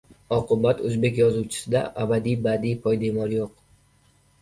Oqibat, o‘zbek yozuvchisida adabiy-badiiy poydevor yo‘q.